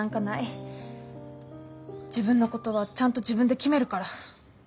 自分のことはちゃんと自分で決めるから。